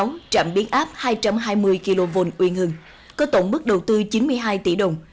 công trình đường dây một trăm một mươi kv phú giáo trạm biến áp hai trăm hai mươi kv uyên hưng có tổng mức đầu tư chín mươi hai tỷ đồng